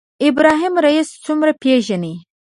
ابراهیم رئیسي څومره پېژنئ